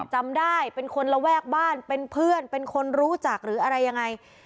จำได้เป็นคนระแวกบ้านเป็นเพื่อนเป็นคนรู้จักหรืออะไรยังไง